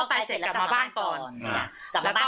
ไม่เฟอกตายก็กลับมาบ้านก่อน